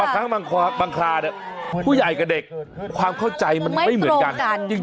ถูกต้องค่ะภูมิใหญ่กับเด็กความเข้าใจมันไม่เหมือนกันจริง